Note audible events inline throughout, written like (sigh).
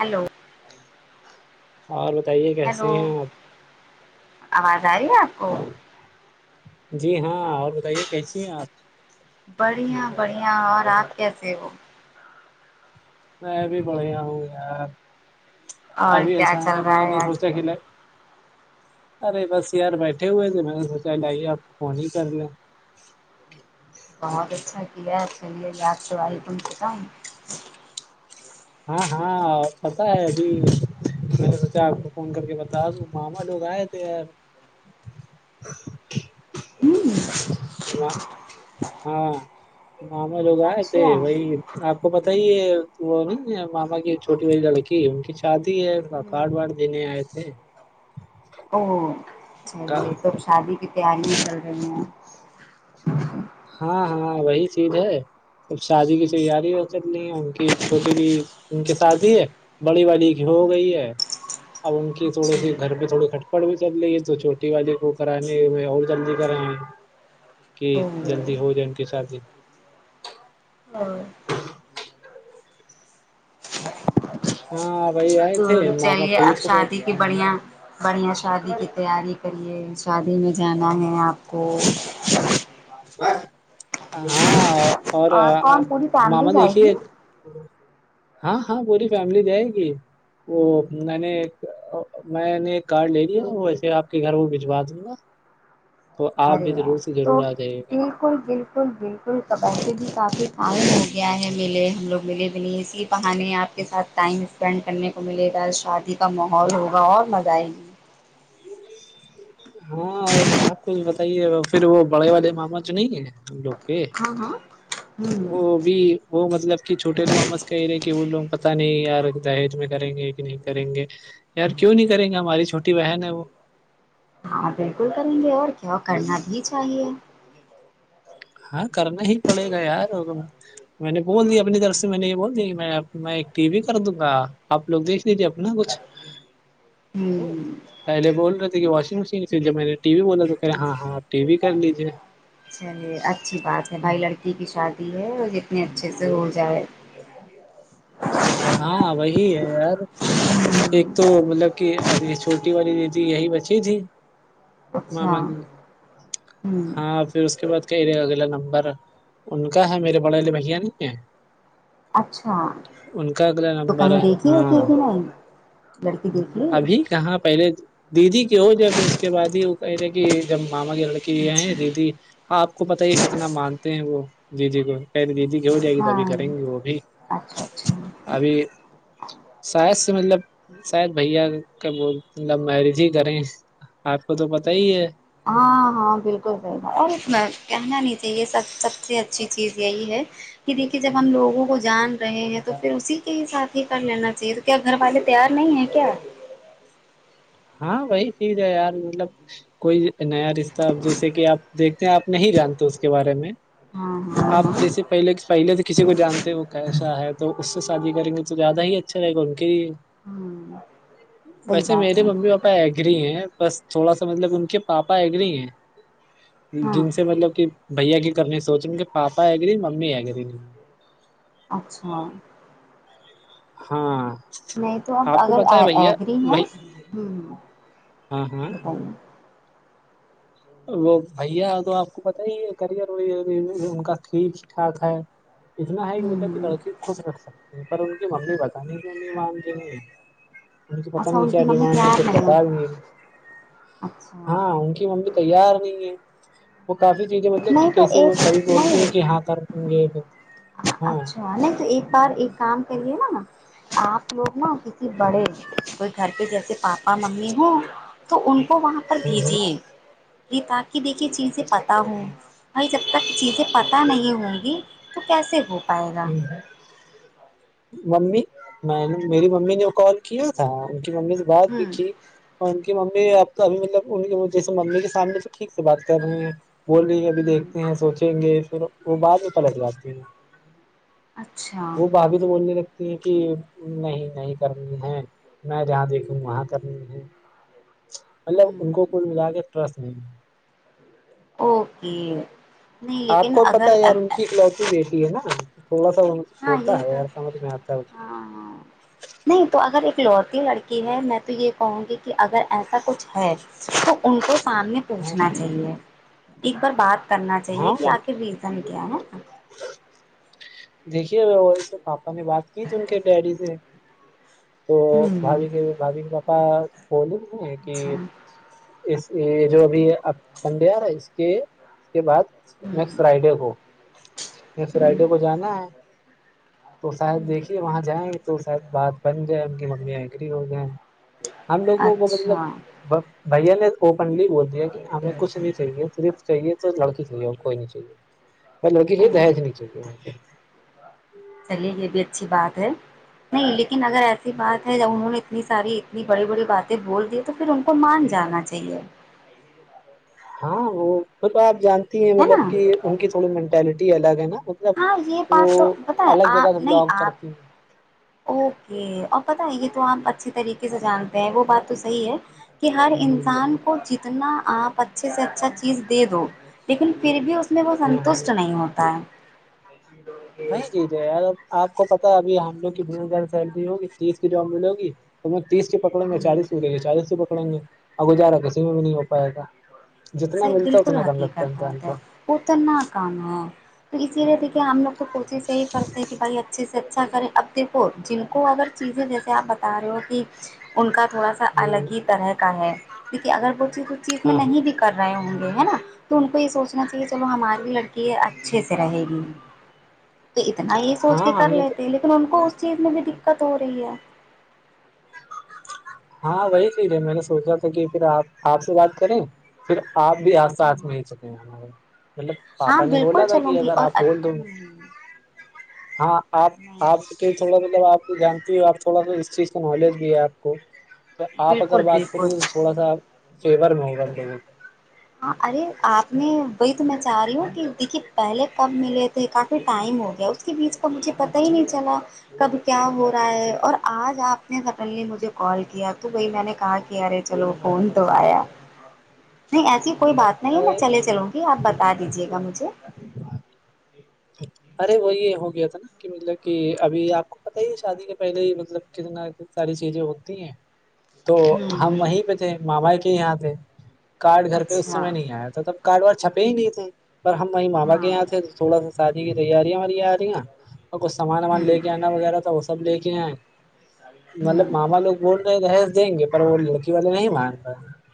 hello اور بتائیے کیسے ہیلو ہیں آپ آواز آ رہی ہے کو جی ہاں اور بتائیے کیسی ہیں آپ بڑھیا بڑھیا اور آپ کیسے ہو میں بھی بڑھیا ہوں یار اور ابھی کیا اچھا چل م رہا ہے نے آج سوچا کل ارے بس یار بیٹھے ہوئے تھے میں نے سوچا لائیے آپ کو فون ہی کر لیں بہت اچھا قلع چلیے یاد تو آئی کم سے کم ہاں ہاں پتا ہے ابھی میں نے سوچا آپ کو فون کر کے بتا ماما لوگ آئے تھے یار ہ ہاں ماما لوگ آئے اچھا تھے وہی آپ کو پت ہوں ہی یہ وہ نا ماما کی چھوٹی بی لڑکی ان کی شادی ہے کارڈ ہوں وارڈ دینے آئے تھے او کا- چلیے تو شادی کی تیاری میں چل رہی ہیں ہاں ہاں وہی چیز ہے ا شادی کی تیاری ہو کر لی ہیں ان کی چھوٹی بھی ان کی شادی ہے بڑی والی کی ہو گئی ہے اب ان کی تھوڑی اچھا سی گھر پہ تھوڑی کھٹپٹ بھی چل رہی ہے تو چوٹی والی کو کرانے میں اور جلدی کریں کہ او جلدی ہو جائے ان کے ساتھ ہی ہاں ہاں وہی آئے تو تھے ماما چلیے اب پوچھ رہے شادی تھے کی بڑیا بڑھیا شادی کی تیاری کرے شادی میں جانا ہے آپ کو ہاں اور کون پوری ماما فیملی جائے دیکھیے گی ہاں ہاں پوری فیملی جائے گی وہ میں نے میں نے ایک کارڈ لے لیا تو ویسے آپ کے گھر وہ بھجوا دوں گا تو آپ ارے بھی واہ ضرور سے تو ضرور آ جائے گے بالکل بالکل بالکل قبی بھی کافی ٹائم ہو گیا ہے ملے ہم لوگ ملے بھی نہیں اس لیے پہانے آپ کے ساتھ ٹائم اسپینڈ کرنے کو ملے گا شادی کا ماحول ہوگا اور مزہ آئے گی ہاں آپ کو بتائیے پھر وہ بڑے والے معاما جو نہیں ہے ہم لوگ ہاں ہاں ہوں وہ بھی وہ مطلب کہ چھوٹے لوامس کہ ہی رہے کہ وہ لوگ پت نہیں یار دہج میں کریں گے کہ نہیں کریں گے یار کیوں نہیں کریں گا ہماری چھوٹی بہن ہے وہ ہاں بالکل کریں گے اور کیا کرنا بھی چاہیے ہاں کرنا ہی پڑے گا یارو میں نے بول دییا اپنی طرف سے میں نے یہ بول دییا کہ میں میں ایک ٹی وی کر دوں گا آپ لوگ دیکھ لیجیے اپنا کچھ ہاں ہوں (unintelligible) پہلے بول رہے تھے کہ واشنگ مشین سے جب میں نے ٹی وی بولا تو کہہے ہاں اچھا ہاں ٹی وی کر لیجیے یہ اچھی بات ہے بھائی لڑکی کی شادی ہے اور جتنے اچھے سے ہو جائے ہاں وہی ہے یار ایک ہوں، تو مطلب کہ ابھی چھوٹی والی د تی یہی بچی تھی اچھا ماما کی ہ ہاں پھر اس کے بعد کہے اگلا نمبر ان کا ہے میرے بڑے والے بھیا نہیں ہیں اچھا کا اگلا تو نمبر کہیں ہے دیکھیے کہ ہاں ہی نہیں لڑکی دیکھیھی ابھی کہاں پہلے دیدی کے ہو جیا پھر اس کے بعد ہی وہ کہ تھے کہ جب ماما کی لڑکی کہ اچھا ہے دیدی ہاں آپ کو پت ہے کتنا مانتے ہیں وہ جی جی پہلے دیدی کہ ہو جائے گی تبھی ہاں کریں گے وہ بھی اچھا اچھا ابھی شاید سے مطلب شاید بھیا کا ب مطلب میرج ہی کریں آپ کو تو پتا ہی ہے ہاں ہاں بالکل صی گ اور اس میں کہنا نہیں چاہیے سب سب سے اچھی چیز یہی ہے کہ دیکھیے جب ہم لوگوں کو جان رہے ہیں تو پھر اسی کے ہی ساتھ ہی کر لینا چاہیے تو کیا گھر والہے تیار نہیں ہے کیا ہاں وہی ٹھھ ہے یار مطلب کوئی نیا رشتہ جیسے کہ آپ دیکھتے ہیں آپ نہیں جانتے اس کے بارے میں ہاں (unintelligible) آپ جیسے پہلے پہلے سے کسی کو جانتے وہ کیسا ہے تو اس سے شادی کریں گے تو زیادہ ہی اچا اچھاے گنکری (unintelligible) ہوں (unintelligible) ویسے میری (unintelligible) پاپا ایگری ہے بس تھوڑا سا مطلب ان کے پاپا ایگری ہیں ہاں جن سے مطلب کہ بھیا کی کرنے سوچ رہ ان کہ پاپا ہے گریی ممی ہے گری نہیں اچھا ہاں نہیں تو اب آپ کو اگر پتا ہے بھیا ایگری ہیں بھائی ہ ہاں ہاں وہ بھیا تو آپ کو پتا ہی ہے کرئر ان کا کھیل ھاک ہے اتنا ہ کہ ہوں بیٹا کی ہوں لڑکی خوش کرکھ سکتے ہیں پر ان کی ممی بتانے کی ان مانتی نہیں ہے م تو پتا اچھا نہیں ان کیا کی ممی ڈیمانڈ ہے تیار کچھ پتا بھی نہیں اچھا ہاں ان کی ممی بھی تیار نہیں ہے وہ کافی چیزیں مطلب نہیں تو کیسے کبھی ایک بولتی ہیں نہیں کہ ہاں کر ج (unintelligible) اچھا نہیں تو ایک بار کام کریے نا نا آپ لوگ نا کسی بڑے کوئی گھر پہ جیسے پاپا ممی ہوں تو ان کو وہاں پر بھیجیے ریتا کیی دیکھی چیزیں پتہ ہوں بھائی جب تک چیزیں پتہ نہیں ہوں گی تو کیسے م پائے گ (unintelligible) ہ (inaudible) ممی میں نے میری ممی نے کال کیا تھا ان کی ممی سے بات بھی ہوں کی اور ان کی ممی اب تو ابھی مطلب ان کی جیسے ممی کے سامنے تو ٹھیک سے بات کر رہی ہیں بول رہی ہے ابھی ہوں دیکھتے ہیں سوچیں گے پھر وہ بعد میں پلت جاتے ہیں اچھا وہ بھاابھی تو بولنے لگتی ہیں کہ نہیں نہیں کرنی ہے میں جہاں دیکھوں وہاں کرنی ہے مطلب ان ہوں کو کل ملا کے ٹرسٹ نہیں اوکے نہیں لیکن اگر چک لوتی بیٹی ہے نا تھوڑا ہاں ہوتا یہ ہے تو ہ س مجھ میں آتا ہو ہاں ہاں نہیں تو اگر ایک لوتی لڑکی ہے میں تو یہ کہوں گی کہ اگر ایسا کچھ ہے تو ان کو سامنے پوچھنا چاہیے ایک بار بات کرنا چاہیے ہاں کہ ہاں آخ ریزن کیا ہے دیکھیے وی سے پاپا نے بات کی تھی ان کے ڈیڈی سے تو ہوں بھھی کے بھبھی کے پاپا بولے کہ اچھا اس یہ جو ابھی ہے سڈیا اس کے (unintelligible) اس کے بعد ہوں نیکسٹ فرائیڈے کو نیکسٹ ہوں فرائیڈے کو جانا ہے تو شاید دیکھیے وہاں جائیں گے تو شاید بات بن گئے ان کی ممی اگری ہو گئے ہم لوگوں کو مطلب اچھا بھیا نے اوپنلی بول دیا کہ ہمیں کچھ نہیں چاہیے صرف چاہیے تو لڑکی چاہیے ہم کوئی نہیں چاہیے بائی لڑکی او چاہیےج نہیں چاہیے ہم کو چلیے یہ بھی اچھی بات ہے نہیں لیکن اگر ایسی بات ہے جب انہوں نے اتنی ساری اتنی بڑی بڑی باتیں بول دی تو پھر ان کو مان جانا چاہیے ہاں وہ م تو آپ جانتی ہیں ہے مطلب نا کہ ان کی تھوڑی مینٹلٹی الگ ہے نا مطلب ہاں یہ وہ بات تو پتہ ہے الگ جگہ سے آپ نہیں بلانگ آپ کرتی ہیں اوکے اور پتہ ہے یہ تو آپ اچھے طریقے سے جانتے ہیں وہ بات تو صحیح ہے کہ ہر انسان کو جتنا آپ اچھے سے اچھا چیز دے دو لیکن پھر بھی اس میں وہ ہاں ہاں سنتوشٹ نہیں ہوتا ہے وہی چیز ہے یار آپ کو پتا ہے ابھی ہم لوگ کی بھیڑ گھر سیلری ہوگی چیز کی جواب ملے گی تو میں تیس کے پکڑیں گے ہے ہ چالیس کو لے گے چالیس سے پکڑیں گے ا گزارا کسی میں نہیں ہو پائے گا جتنا ملتا ہے اتنا کم لگتا ہے انسان کو اتنا کام ہے تو اسی لیے دیکھیے ہم لوگ تو کوشش یہی کرتے ہیں کہ بھائی اچھے سے اچھا کریں اب دیکھو جن کو اگر چیزیں جیسے آپ بتا رہے ہو کہ ان کا تھوڑا سا الگ ہی طرح کا ہے لیکن اگر وہ چیز اس چیز میں ہاں نہیں کر رہے ہوں گے ہے نا تو ان کو یہ سوچنا چاہیے چلو ہماری لڑکی اچھے سے رہے گی (inaudible) تو اتنا ہی سوچ ہاں کے ہم کر نے تو لیتے لیکن ان کو اس چیز میں بھی دقت ہو رہی ہے ہاں وہی پ رہے میں نے سوچا تھا کہ پھر آپ آپ سے بات کریں پھر آپ بھی آاتھ مل سکے ہیں ہمارے مطلب ہاں پاپا نے بالکل بولا تھا چلوں کہ گی اگر اور آپ اچ- بول دو گ ہوں- ہوں، ہاں آج نہیں آج تھوڑا سلب آپ کو جانتی ہو آپ تھوڑا سا اس چیز کا نالج بھی ہے آپ کو تو آپ اگر بالکل بات کرو بالکل گے تو تھوڑا سا فیور میں ہوگا لوگوں کا ہاں ارے آپ نے وہی تو میں چاہ رہی ہوں کہ دیکھیے پہلے کب ملے کافی ٹائم ہو گیا اس کے بیچ کا مجھے پتہ ہی نہیں چلا کب کیا ہو رہا ہے اور آج آپ نے سڈنلی مجھے کال کیا تو وہی میں نے کہا کہ کہ یارے چلو فون تو آیا نہیں ایسی کوئی بات نہیں ہے میں چلے چلوں گی آپ بتا دیجیے گا مجھے ارے وہی ہو گیا تھا نا کہ مطلب کہ ابھی آپ کو پت ہی ہے شادی کے پہلے ہی مطلب کتناتنا ساری چیزیں ہوتی ہیں تو ہم ہوں وہیں پہ تھے ماما کے یہاں تھے کارڈ گھر پہ اس اچھا سمے نہیں آیا تھا تب کارڈ وار چھپے ہی نہیں تھے پر ہم وہیں ماںابا ہاں کے یہاں تھے تو تھوڑا سا شادی کی تیاریاں وییا آ رہی ہیں اور کچھ سامان وامان ہوں لے کے آنا وغیرہ تو وہ سب لے کے آئیں مطلب ہوں ماما لوگ بولنے رہس دیں گے پر وہ لڑکی والے نہیں ہوں وہاں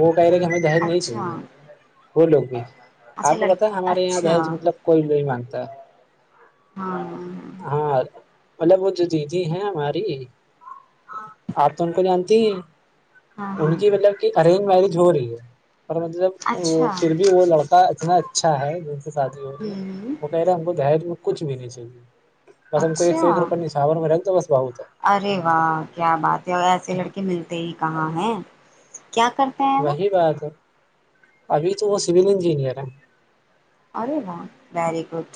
وہ کہہ رہے کہ ہمیں دہر نہیں اچھا چاہیے وہ لوگ بھی اچھا آپ کو پت ہے لڑکی ہمارے یہاں اچھا دہج مطلب کوئی نہیں مانتا ہاں ہاں مطلب وہ جو دیدی ہیں ہماری آ تون کو جتی ہاں ان ہاں کی مطلب کہ ارینج میرج ہو رہی ہے پر مطلب وہ اچھا پھر بھی وہ لڑک کا اتنا اچھا ہے دن سے شادی ہو رہی ہے ہوں کہے ہم کو دہج میں کچ بھی نہیں چاہیے بس ہم کو ایک اچھا سو ایک روپے نشاور میں رکھ دو بس بہت ہے ارے واہ کیا بات ہے ایسے لڑکے ملتے ہی کہاں ہیں کیا کر وہی بات ہے ابھی تو وہ سول انجینئر ہے ارے وا ویری گڈ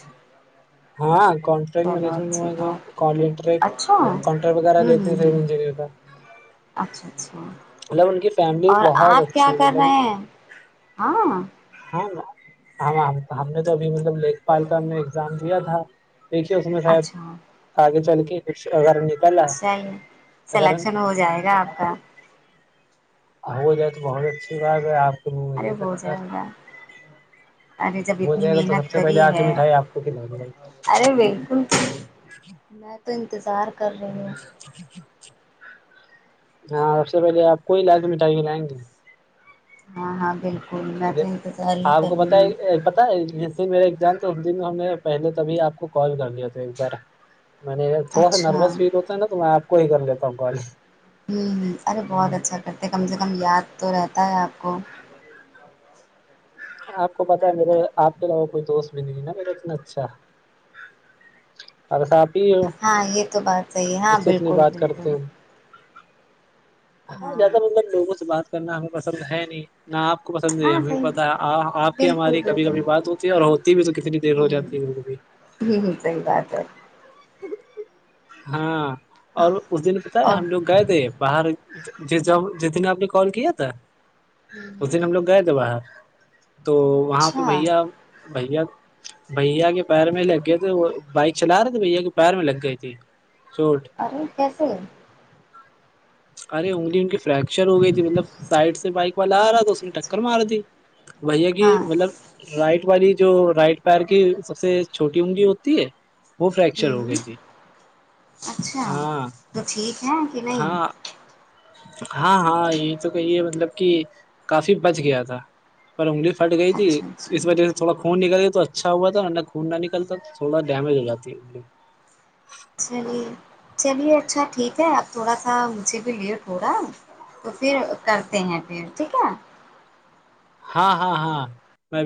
ہاں کانٹریکٹ چلو اچھی مینجمنٹالٹر بات اچھا ہوں کانٹرٹ وغیرہ دیتے ہوں س ہوں ان کا اچھا اچھا مطلب ان کی فیملی اور بہت آپ کیا اچھی ہے، کر مطلب رہے ہیں ہاں ہاں ن ہاں ہم نے تو ابھی مطلب لیک پال کا ہم نے ایگزام دیا تھا دیکھیے اس میں شاید اچھا آگے چل کے کچھ اگر نکل رہا چلیے ہے اگر سلیکشن ہو جائے گا آپ کا ہو جائے تو بہت اچھی بات ہے آپ کے م ارے میںے ہو تکتا ہے جائے گا ارے جب اتنی جائے گا تو محنت سب سے کری پہلے آ کے مٹھائی آپ کو کھلائیں گ گے ارے بالکل میں تو انتظار کر رہی ہوں ہاں سب سے پہلے آپ کوئی علا کے مٹھائی ملائیں گے ہاں ہاں بالکل میں تو انتظار ہی آپ کر کو پت رہی ہوں پت ج میرے ایگزام تو اس دن ہم نے پہلے تبھی آپ کو کال کر لیا تھا ایک بار میں نے تھوڑا سا نروس اچھا فیل ہوتا ہے نا تو میں آپ کو ہی کر لیتا ہوں کال ہوں ہوں ارے بہت اچھا کرتے ہیں کم سے کم یاد تو رہتا ہے آپ کو آپ کو پتاہ ہے میرے آپ کے علاوہ کوئی دوست بھی نہیں ہے نا میرا اتنا اچھا ہے بس آپ ہی ہو ہاں یہ تو بات صحیح ہے ہاں جس سے اتنی بالکل بات کرتے بالکل ہو ہاں زیادہ مطب لوگوں سے بات کرنا ہمیں پسند ہے نہیں نہ آپ کو پسند نہیں ہے ہاں ہمیں صحیح پتہ ہے آپ کی بالکل ہماری کبھی بالکل کبھی بات ہوتی ہے اور ہوتی بھی تو کتنی دیر ہو ہوں جاتی ہے بک بھی ہ ہ صحی بات ہے ہاں اور اس دن پتا ہے اور ہم لوگ گئے تھے باہر ج ہوں جس دن آپ نے کال کیا تھا ہوں اس ہوں دن ہم لوگ گئے تھے باہر تو وہاں پہ اچھا بھیا بھیا بھیا کے پیر میں لگ گئے تھے وہ بائک چلا رہے تھے بھیا کے پیر میں لگ گئے تھی چوٹ ارے کیسے ارے انگلی ان کی فریکچر ہو گئی تھی مطلب سائڈ سے بائک والا آ رہا تھا اس نے ٹکر مار دیھی وہی ہے کہ ہاں مطلب رائٹ والی جو رائٹ پیر کی سب سے چھوٹی عونگی ہوتی ہے وہ فریکچر ہوں ہو ہوں گئی تھی اچھا ہاں تو ٹھیک ہے کہ نہیں ہاں ہاں ہاں یہ تو کہی ہے مطلب کہ کافی بچ گیا تھا پر انگلی پھٹ گئی تھی اچھا تو اچھا اس وجہ سے تھوڑا خون ہوں نکل گ تو اچھا ہوا تھا نہ خون نہ نکلتا تو تھوڑا ڈیمیج ہو جاتی چلیے چلیے اچھا ٹھیک ہے اب تھوڑا سا مجھے بھی لیٹ ہو رہا ہے تو پھر کرتے ہیں پھر ٹھیک ہے ہاں ہاں ہاں میں